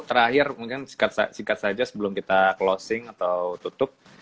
terakhir mungkin singkat saja sebelum kita closing atau tutup